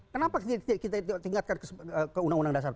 kenapa kita tingkatkan ke undang undang dasar